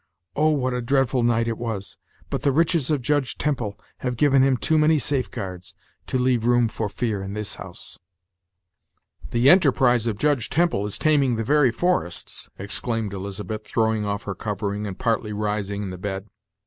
Oh, what a dreadful night it was! But the riches of Judge Temple have given him too many safeguards, to leave room for fear in this house." "The enterprise of Judge Temple is taming the very forests!" exclaimed Elizabeth, throwing off the covering, and partly rising in the bed.